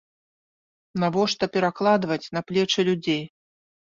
Навошта перакладваць на плечы людзей.